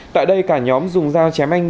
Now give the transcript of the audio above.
tại đây cả nhóm dùng dao chém anh